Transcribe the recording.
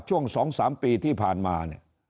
ช่วง๒๓ปีที่ผ่านมา